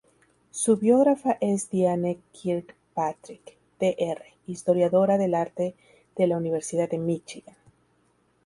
Su biógrafa es Diane Kirkpatrick, Dr. Historiadora del Arte de la Universidad de Míchigan.